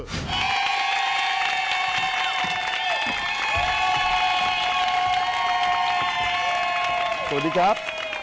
สวัสดีครับ